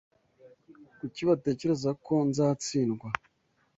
Kuki batekereza ko nzatsindwa?